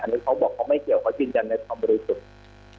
อันนี้เขาบอกเขาไม่เกี่ยวเขายืนยันในความบริสุทธิ์